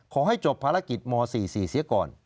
ขอให้จบภารกิจม๔๔เสียก่อน